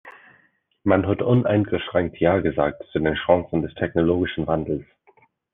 Man hat uneingeschränkt Ja gesagt zu den Chancen des technologischen Wandels.